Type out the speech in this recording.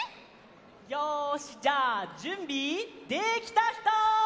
よしじゃあじゅんびできたひと！